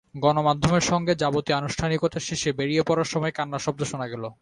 গণমাধ্যমের সঙ্গে যাবতীয় আনুষ্ঠানিকতা শেষে বেরিয়ে পড়ার সময় কান্নার শব্দ শোনা গেল।